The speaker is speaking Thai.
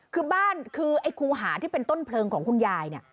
คือบ้านคือคูหาเป็นต้นเพลิงของคุณยาย